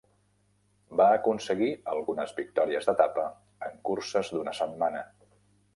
Va aconseguir algunes victòries d'etapa en curses d'una setmana.